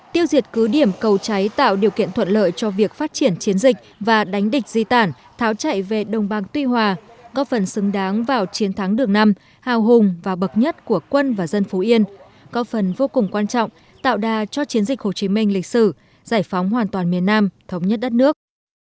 tiêu diệt cứ điểm cầu cháy tạo điều kiện thuận lợi cho việc phát triển chiến dịch và đánh địch di tản tháo chạy về đồng băng tuy hòa góp phần xứng đáng vào chiến thắng đường năm hào hùng và bậc nhất của quân và dân phú yên có phần vô cùng quan trọng tạo đà cho chiến dịch hồ chí minh lịch sử giải phóng hoàn toàn miền nam thống nhất đất nước